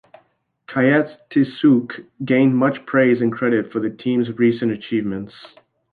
Kiatisuk gained much praise and credit for the team's recent achievements.